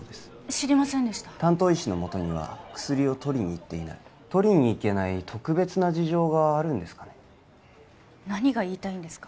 知りませんでした担当医師のもとには薬を取りに行っていない取りに行けない特別な事情があるんですかね何が言いたいんですか？